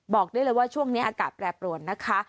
บอกได้เลยว่าช่วงนี้อากาศแปรปรวนนะคะ